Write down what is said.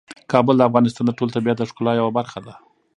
کابل د افغانستان د ټول طبیعت د ښکلا یوه برخه ده.